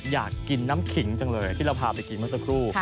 อยากกินน้ำขิงจังเลยที่เราพาไปกินเมื่อสักครู่